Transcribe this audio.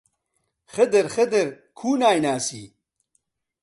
خدر، خدر، کوو نایناسی؟!